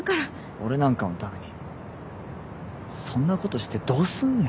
俺なんかのためにそんなことしてどうすんねん。